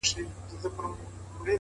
لوړ همت لوړې پایلې راوړي؛